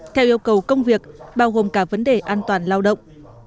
theo yêu cầu công việc bao gồm cả vấn đề an toàn lao động